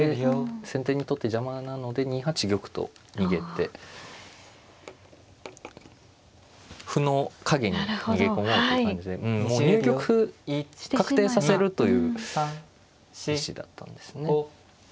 先手にとって邪魔なので２八玉と逃げて歩の影に逃げ込もうって感じでもう入玉確定させるという意志だったんですね。